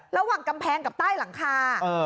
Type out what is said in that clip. ระหว่างกำแพงกับใต้หลังคา